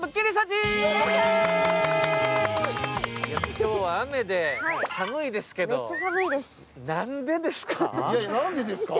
今日は雨で寒いですけど、何でですか？